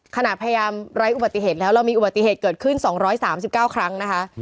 ขณะพยายามไร้อุบัติเหตุแล้วเรามีอุบัติเหตุเกิดขึ้นสองร้อยสามสิบเก้าครั้งนะคะ